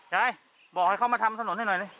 ยายบอกให้เขามาทำถนนให้หน่อยดิ